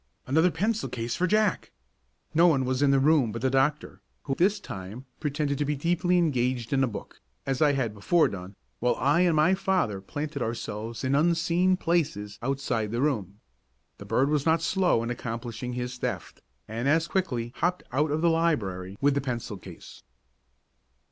another pencil case for Jack! No one was in the room but the doctor, who this time pretended to be deeply engaged in a book, as I had before done, while I and my father planted ourselves in unseen places outside the room. The bird was not slow in accomplishing his theft, and as quickly hopped out of the library with the pencil case.